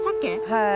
はい。